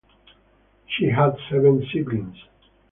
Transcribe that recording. She had seven siblings.